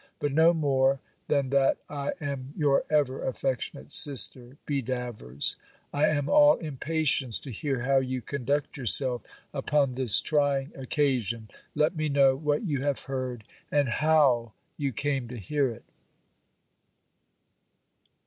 But no more, than that I am your ever affectionate sister, B. DAVERS. I am all impatience to hear how you conduct yourself upon this trying occasion. Let me know what you have heard, and how you came to hear it.